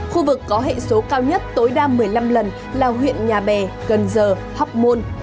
khu vực có hệ số cao nhất tối đa một mươi năm lần là huyện nhà bè cần giờ học môn